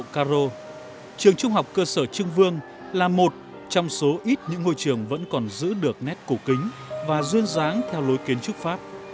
trường trung học cơ sở trương vương là một trong số ít những ngôi trường vẫn còn giữ được nét cổ kính và duyên dáng theo lối kiến trúc pháp